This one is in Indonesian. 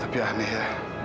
tapi aneh ya